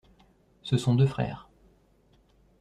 Ce sont deux frères.